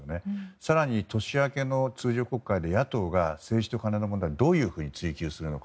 更に年明けの通常国会で野党が政治とカネの問題をどういうふうに追及するのか。